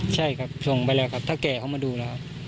ใช่ครับส่งไปแล้วครับถ้าแก่เขามาดูแล้ว